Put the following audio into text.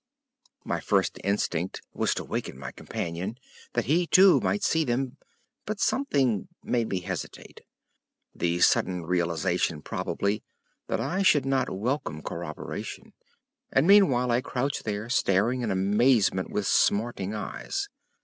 My first instinct was to waken my companion, that he too might see them, but something made me hesitate—the sudden realization, probably, that I should not welcome corroboration; and meanwhile I crouched there staring in amazement with smarting eyes.